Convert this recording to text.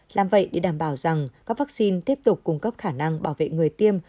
làm vậy để đảm bảo rằng các vaccine tiếp tục cung cấp khả năng bảo vệ người tiêm